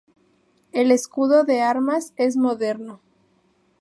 El escudo de armas es moderno.